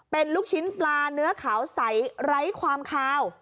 เป็นลูกชิ้นปลาเนื้อขาวใสไร้ความคาว